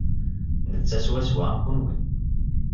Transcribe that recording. Netta swaswa am kenwi.